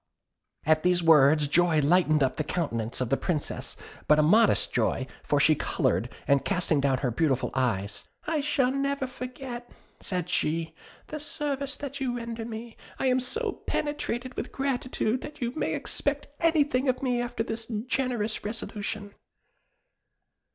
"At these words joy lighted up the countenance of the Princess, but a modest joy, for she coloured, and casting down her beautiful eyes, 'I shall never forget,' said she, 'the service that you render me; I am so penetrated with gratitude, that you may expect anything of me after this generous resolution.'